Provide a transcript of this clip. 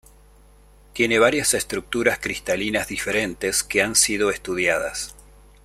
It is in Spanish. Tiene varias estructuras cristalinas diferentes que han sido estudiadas.